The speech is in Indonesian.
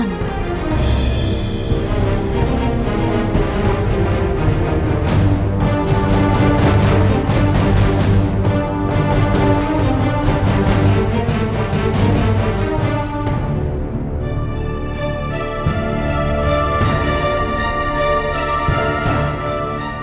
aku tidak akan menyebut namamu